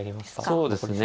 そうですね。